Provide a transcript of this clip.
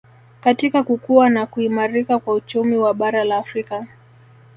katika kukua na kuimarika kwa uchumi wa bara la Afrika